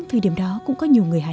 từ điểm đó